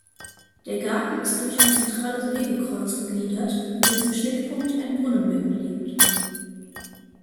Der Garten ist durch ein zentrales Wegekreuz gegliedert, in dessen Schnittpunkt ein Brunnenbecken liegt.